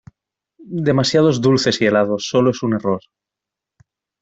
Demasiados dulces y helados. Sólo es un error .